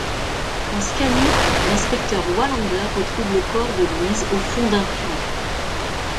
En Scanie, l'inspecteur Wallander retrouve le corps de Louise au fond d'un puits.